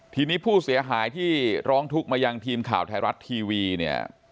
ทีนี้ผู้เสียหายที่ร้องทุกข์มายังทีมข่าวไทยรัฐทีวีเนี่ย